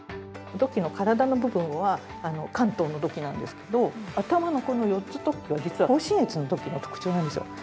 土器の体の部分は関東の土器なんですけど頭のこの４つ突起は実は甲信越の土器の特徴なんですよ。